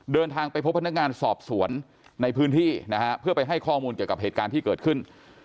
เดินทางไปพบพนักงานสอบสวนในพื้นที่นะฮะเพื่อไปให้ข้อมูลเกี่ยวกับเหตุการณ์ที่เกิดขึ้น